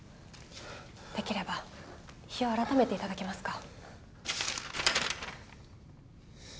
できれば日を改めて頂けますか？